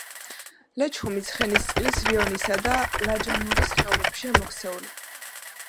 ლეჩხუმი ცხენისწყლის, რიონისა და ლაჯანურის ხეობებშია მოქცეული.